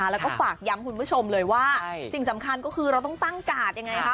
แล้วก็ฝากย้ำคุณผู้ชมเลยว่าสิ่งสำคัญก็คือเราต้องตั้งกาดยังไงคะ